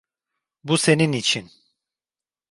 Bu senin için.